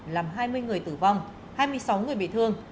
làm hai mươi người tử vong hai mươi sáu người bị thương